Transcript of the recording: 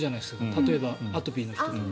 例えばアトピーの人とか。